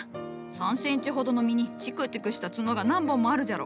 ３センチほどの実にチクチクした角が何本もあるじゃろ。